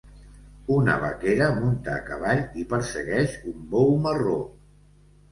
Una vaquera munta a cavall i persegueix un bou marró.